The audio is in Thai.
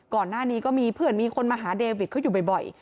ก่อนหน้านี้ก็มีเพื่อนมีคนมาหาเดวิทเขาอยู่บ่อย